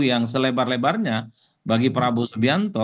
yang selebar lebarnya bagi prabowo subianto